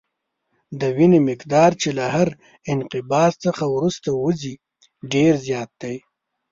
د وینې مقدار چې له هر انقباض څخه وروسته وځي ډېر زیات دی.